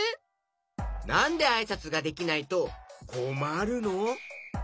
なんであいさつができないとこまるの？